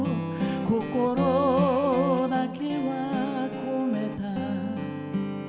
「心だけは込めた」